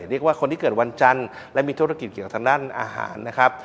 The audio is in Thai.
เรียกว่าคนที่เกิดวันจันทร์และมีธุรกิจเกี่ยวทางด้านอาหารนะครับ